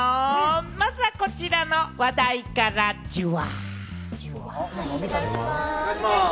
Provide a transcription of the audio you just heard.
まずは、こちらの話題から、ジュワ！